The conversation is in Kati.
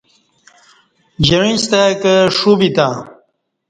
جیعستای کہ ݜو ب یتہ